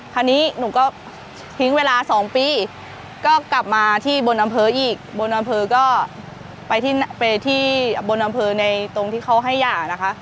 คราวนี้หนูก็ทิ้งเวลา๒ปีก็กลับมาที่บนอำเภออีกบนอำเภอก็ไปที่บนอำเภอในตรงที่เขาให้หย่านะคะ